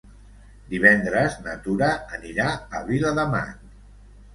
Divendres na Tura anirà a Viladamat.